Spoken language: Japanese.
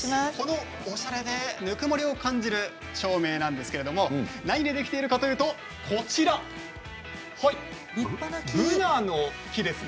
おしゃれで、ぬくもりを感じる照明なんですけれど何でできているかというとこちらブナの木です。